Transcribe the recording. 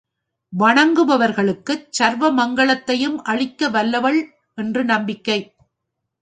வணங்குபவர்களுக்குச் சர்வ மங்களத்தையும் அளிக்க வல்லவள் என்று நம்பிக்கை.